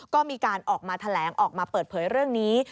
ก็มีการออกมาแถลงออกมาเปิดเผยเรื่องนี้